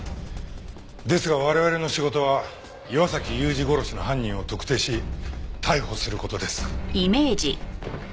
ですが我々の仕事は岩崎裕二殺しの犯人を特定し逮捕する事です。